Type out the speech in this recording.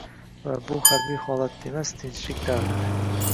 Va bu harbiy holatda emas — tinchlik davrida...